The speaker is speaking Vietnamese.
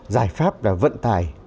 giải pháp và vận tải